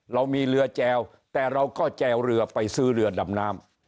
เรามีเรือแจวแต่เราก็แจวเรือไปซื้อเรือดำน้ำ